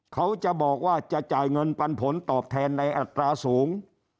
เขาจะบอกว่าจะจ่ายเงินปันผลตอบแทนในอัตราสูง